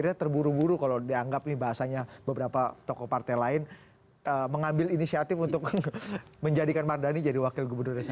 atau ke partai lain mengambil inisiatif untuk menjadikan mardhani jadi wakil gubernur desa